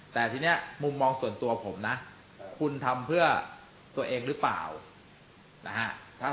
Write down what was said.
แต่ทีนี้มุมมองส่วนตัวผมนะคุณทำเพื่อตัวเองหรือเปล่านะฮะ